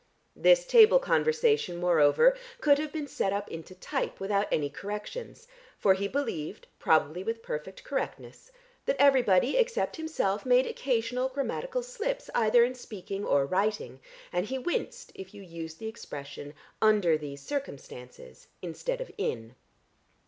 This table conversation, moreover, could have been set up into type without any corrections, for he believed, probably with perfect correctness, that everybody, except himself, made occasional grammatical slips either in speaking or writing, and he winced if you used the expression "under these circumstances" instead of "in."